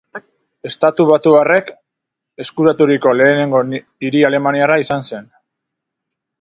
Estatubatuarrek eskuraturiko lehenengo hiri alemaniarra izan zen.